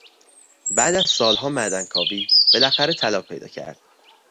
بعد از سالها معدنکاوی، بالاخره طلا پیدا کرد.